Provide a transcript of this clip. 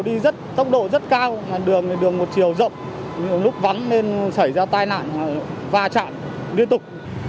đi tốc độ rất cao đường một chiều rộng lúc vắng nên xảy ra tai nạn và trạng liên tục